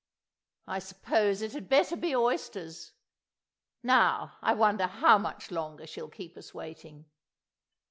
... I suppose it had better be oysters. ... Now I wonder how much longer she'll keep us waiting?